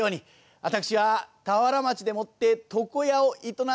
私は田原町でもって床屋を営んでる者でございます。